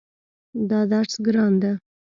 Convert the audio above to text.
دا درس ګران ده